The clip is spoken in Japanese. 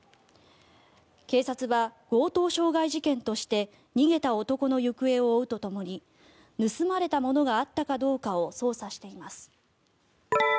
警察は強盗傷害事件として逃げた男の行方を追うとともに盗まれたものがあったかどうかを捜査しています。